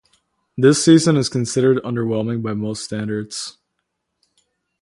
This season is considered underwhelming by most standards.